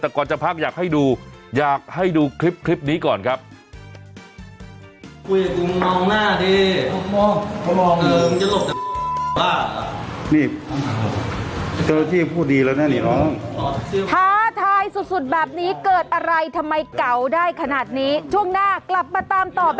แต่ก่อนจะพักอยากให้ดูอยากให้ดูคลิปนี้ก่อนครับ